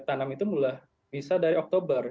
tanam itu mulai bisa dari oktober